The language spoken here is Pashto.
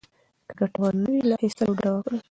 که ګټور نه وي، له اخيستلو ډډه وکړئ.